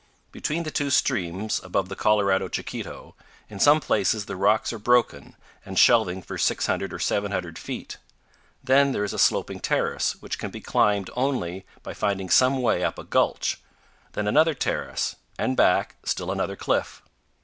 Between the two streams, above the Colorado Chiquito, in some places the rocks are broken and shelving for 600 Or 700 feet; then there is a sloping terrace, which can be climbed only by finding some way up a gulch; then another terrace, and back, still another cliff.